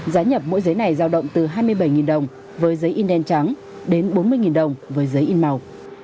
giá nhập mỗi giấy này giao động từ hai mươi bảy đồng với giấy in đen trắng đến bốn mươi đồng với giấy in màu